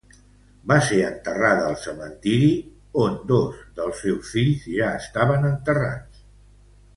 Va ser enterrada al cementiri on dos dels seus fills ja estaven enterrats.